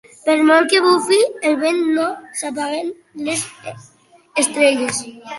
Per molt que bufi el vent, no s'apaguen les estrelles.